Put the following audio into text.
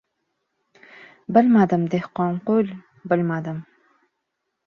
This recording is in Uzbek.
— Bilmadim, Dehqonqul, bilmadim.